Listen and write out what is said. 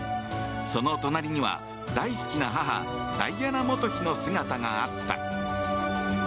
その隣には大好きな母ダイアナ元妃の姿があった。